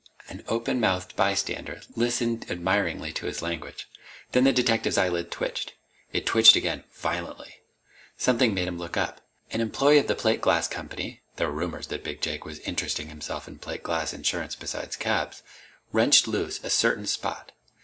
An open mouthed bystander listened admiringly to his language. Then the detective's eyelid twitched. It twitched again, violently. Something made him look up. An employee of the plate glass company there were rumors that Big Jake was interesting himself in plate glass insurance besides cabs wrenched loose a certain spot.